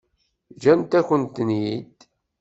Ǧǧant-akent-ten-id.